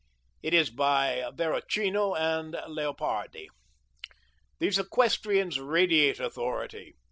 It is by Verrocchio and Leopardi. These equestrians radiate authority.